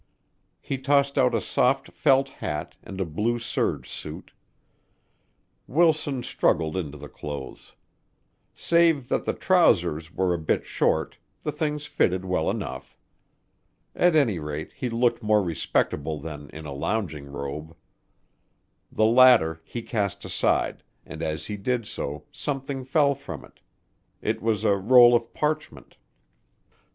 He tossed out a soft felt hat and blue serge suit. Wilson struggled into the clothes. Save that the trousers were a bit short, the things fitted well enough. At any rate, he looked more respectable than in a lounging robe. The latter he cast aside, and as he did so something fell from it. It was a roll of parchment.